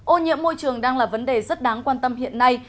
ô nhiễm môi trường đang là vấn đề rất đáng quan tâm hiện nay